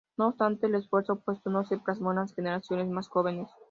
No obstante, el esfuerzo puesto no se plasmó en las generaciones más jóvenes.